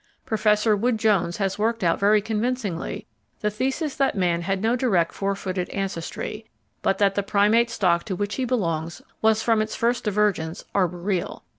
Professor Wood Jones has worked out very convincingly the thesis that man had no direct four footed ancestry, but that the Primate stock to which he belongs was from its first divergence arboreal.